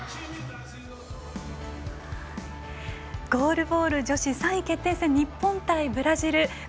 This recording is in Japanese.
ゴールボール女子３位決定戦日本対ブラジル。